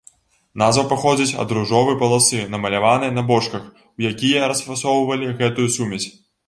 Назва паходзіць ад ружовы паласы, намаляванай на бочках, у якія расфасоўвалі гэтую сумесь.